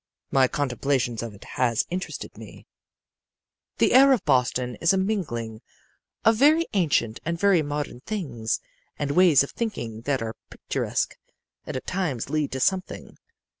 "My contemplation of it has interested me. "The air of Boston is a mingling of very ancient and very modern things and ways of thinking that are picturesque and at times lead to something.